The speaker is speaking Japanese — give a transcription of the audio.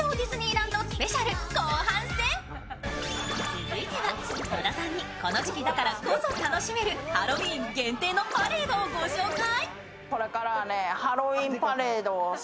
続いては小田さんに、この時期だからこそ楽しめるハロウィーン限定のパレードをご紹介。